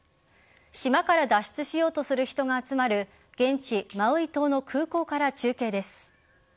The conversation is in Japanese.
島から脱出しようとする人が集まる現地・マウイ島の空港から中継です。